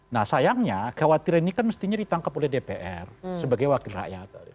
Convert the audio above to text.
nah sayangnya kekhawatiran ini kan mestinya ditangkap oleh dpr sebagai wakil rakyat